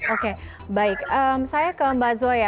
oke baik saya ke mbak zoya